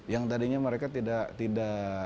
yang tadinya mereka tidak ada kegiatan tertentu